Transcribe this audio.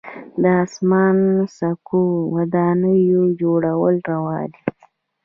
د اسمان څکو ودانیو جوړول روان دي.